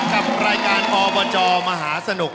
กับรายการอบจมหาสนุก